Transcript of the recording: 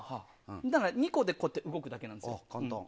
だから２個で動くだけなんです。